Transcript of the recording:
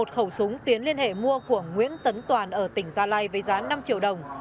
một khẩu súng tiến liên hệ mua của nguyễn tấn toàn ở tỉnh gia lai với giá năm triệu đồng